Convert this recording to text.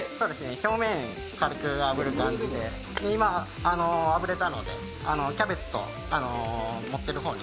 表面軽くあぶる感じで今、あぶれたのでキャベツ等を盛ってる方に。